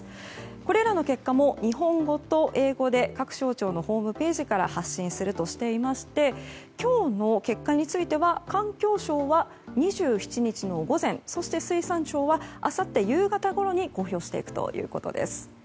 これらの結果も、日本語と英語で各省庁のホームページから発信するとしていまして今日の結果については環境省は２７日の午前水産庁は、あさって夕方ごろに公表していくということです。